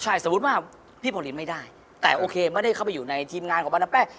ใช่สมมุติว่าพี่ผลินไม่ได้แต่โอเคไม่ได้เข้าไปอยู่ในทีมงานของบรรดามแป้ง